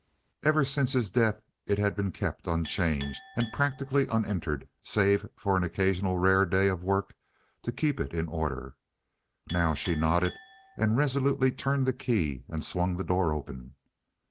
Ever since his death it had been kept unchanged, and practically unentered save for an occasional rare day of work to keep it in order. Now she nodded and resolutely turned the key and swung the door open.